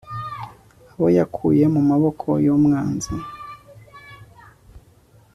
abo yakuye mu maboko y'umwanzi